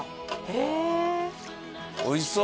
へえおいしそう！